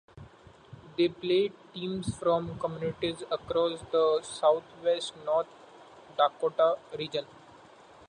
They play teams from communities across the southwest North Dakota region.